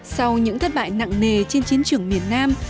sau những thất bại nặng nề trên chiến trường miền nam